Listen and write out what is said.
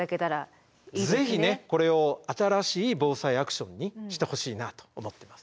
ぜひねこれを新しい「ＢＯＳＡＩアクション」にしてほしいなと思ってます。